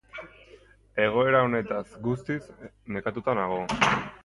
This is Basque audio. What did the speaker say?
Egoera honetaz guztiz nazkatuta nago.